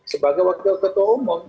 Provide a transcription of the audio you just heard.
sebagai wakil ketua umum